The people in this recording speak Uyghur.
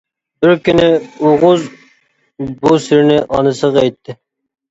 بىر كۈنى ئوغۇز بۇ سىرنى ئانىسىغا ئېيتتى.